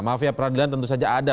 mafia peradilan tentu saja ada